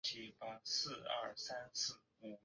微软也发布了类似的声明。